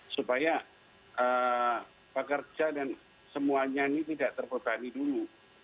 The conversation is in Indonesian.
supaya pekerja dan semuanya ini tidak terbebani dulu